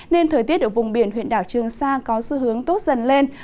nên thời tiết ở vùng biển huyện đảo trường sa có xu hướng tốt dần lên